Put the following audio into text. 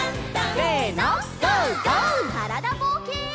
からだぼうけん。